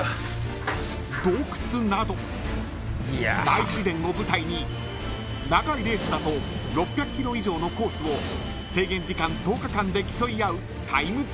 ［大自然を舞台に長いレースだと６００ｋｍ以上のコースを制限時間１０日間で競い合うタイムトライアルレース］